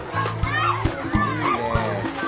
いいね。